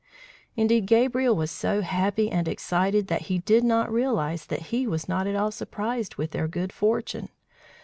Indeed, Gabriel was so happy and excited that he did not realize that he was not at all surprised with their good fortune.